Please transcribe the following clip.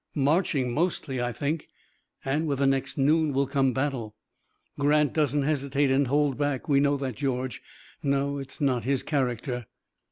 "Marching mostly, I think, and with the next noon will come battle. Grant doesn't hesitate and hold back. We know that, George." "No, it's not his character."